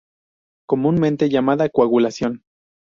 Comúnmente llamada coagulación.